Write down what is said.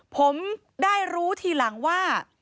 ผมได้รู้ทีหลังว่า